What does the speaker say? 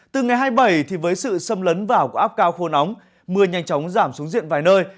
từ ngày hai mươi bảy với sự xâm lấn vào của áp cao khô nóng mưa nhanh chóng giảm xuống diện vài nơi